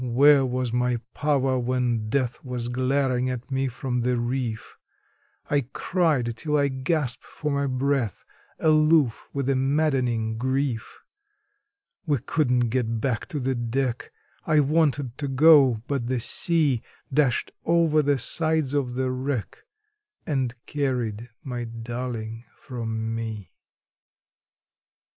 where was my power, when Death was glaring at me from the reef? I cried till I gasped for my breath, aloof with a maddening grief. We couldn't get back to the deck: I wanted to go, but the sea Dashed over the sides of the wreck, and carried my darling from me.